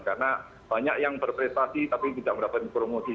karena banyak yang berprestasi tapi tidak mendapatkan promosi